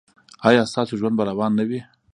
ایا ستاسو ژوند به روان نه وي؟